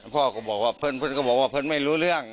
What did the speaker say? ก็บอกว่าเพื่อนก็บอกว่าเพื่อนไม่รู้เรื่อง